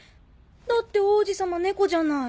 だって王子様猫じゃない。